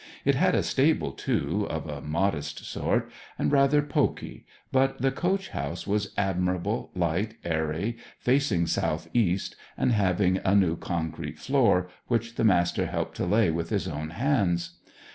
It had a stable, too, of a modest sort, and rather poky, but the coach house was admirable, light, airy, facing south east, and having a new concrete floor, which the Master helped to lay with his own hands.